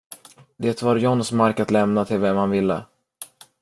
Det var Johns mark att lämna till vem han ville.